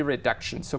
rất đặc biệt